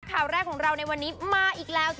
ข่าวแรกของเราในวันนี้มาอีกแล้ว